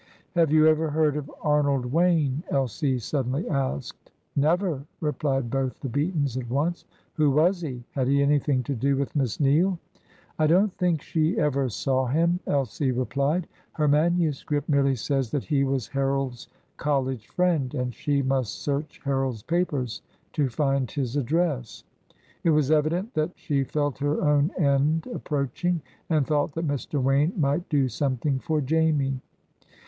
"Have you ever heard of Arnold Wayne?" Elsie suddenly asked. "Never," replied both the Beatons at once. "Who was he? Had he anything to do with Miss Neale?" "I don't think she ever saw him," Elsie replied. "Her manuscript merely says that he was Harold's college friend, and she must search Harold's papers to find his address. It was evident that she felt her own end approaching, and thought that Mr. Wayne might do something for Jamie."